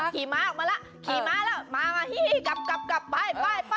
ขี่ม้าออกมาละขี่ม้าแล้วมาหี้กลับไป